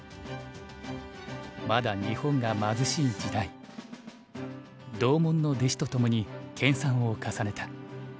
まだ日本が貧しい時代同門の弟子とともに研さんを重ねた。